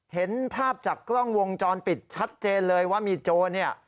เห็นภาพจากกล้องวงจรปิดชัดเจนเลยว่ามีโจรเนี่ย